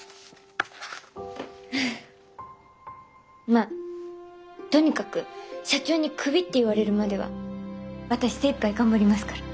まあとにかく社長にクビって言われるまでは私精いっぱい頑張りますから。